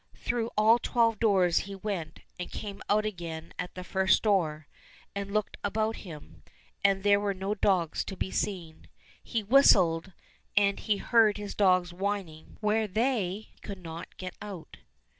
Through all twelve doors he went, and came out again at the first door, and looked about him, and — there were no dogs to be seen. He whistled, and he heard his dogs whining where they could not get out.